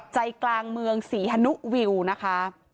ใจกลางเมืองศรีฮนุวิวนะคะ